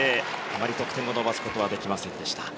あまり得点を伸ばすことはできませんでした。